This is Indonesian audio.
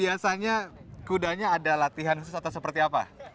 biasanya kudanya ada latihan khusus atau seperti apa